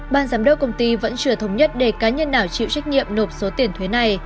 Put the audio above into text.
ban giám đốc công ty vẫn chưa thống nhất để cá nhân nào chịu trách nhiệm nộp số tiền thuế này